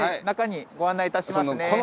中にご案内いたしますね。